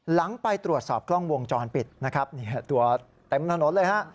หลังไปตรวจสอบกล้องวงจรปิดตัวเต็มถนนเลย